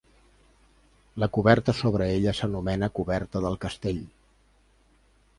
La coberta sobre ella s'anomena coberta del castell.